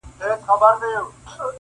له کلونو ناپوهی یې زړه اره سو.!